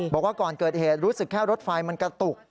บอกว่าก่อนเกิดเหตุรู้สึกแค่รถไฟมันกระตุก